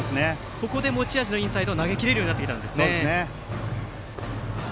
ここで持ち味のインサイドを投げきれるようになったと。